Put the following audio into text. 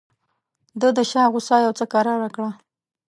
ده د شاه غوسه یو څه کراره کړه.